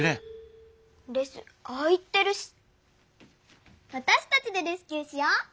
レスああ言ってるしわたしたちでレスキューしよう！